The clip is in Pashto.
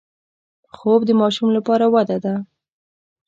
خوب د ماشوم لپاره وده ده